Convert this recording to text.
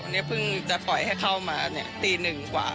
นี่เพิ่งจะปล่อยให้เข้ามานี่ตี๑กว่า